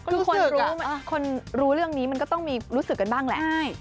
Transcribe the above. คือคนรู้คนรู้เรื่องนี้มันก็ต้องมีรู้สึกกันบ้างแหละ